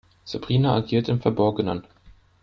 Sabrina agiert im Verborgenen.